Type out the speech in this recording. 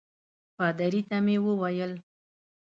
پادري ته مې وویل.